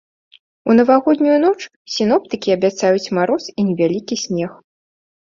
У навагоднюю ноч сіноптыкі абяцаюць мароз і невялікі снег.